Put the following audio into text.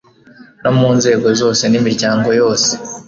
no mu nzego zose n'imiryango yose,